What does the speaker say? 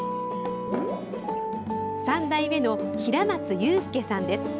３代目の平松佑介さんです。